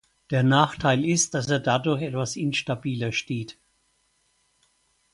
Der Nachteil ist, dass er dadurch etwas instabiler steht.